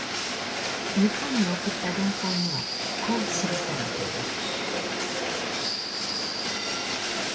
日本に送った電報にはこう記されています。